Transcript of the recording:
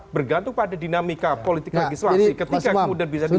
bergantung pada dinamika politik legislasi ketika kemudian bisa dibuka